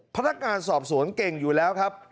พนักงานสอบสวนเก่งอยู่แล้วครับ